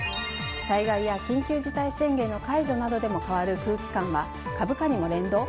災害や緊急事態宣言解除などでも変わる空気感は株価にも連動！？